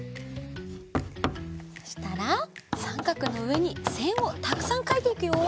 そしたらさんかくのうえにせんをたくさんかいていくよ。